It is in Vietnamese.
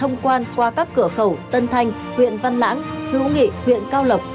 thông quan qua các cửa khẩu tân thanh huyện văn lãng hữu nghị huyện cao lộc